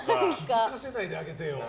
気づかせないであげてよ。